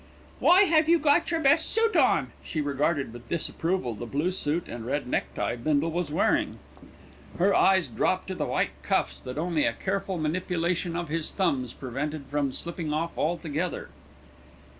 "Why have you got your best suit on?" She regarded with disapproval the blue suit and red necktie Bindle was wearing. Her eyes dropped to the white cuffs that only a careful manipulation of his thumbs prevented from slipping off altogether.